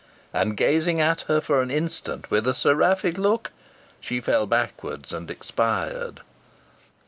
And gazing at her for an instant with a seraphic look, she fell backwards, and expired.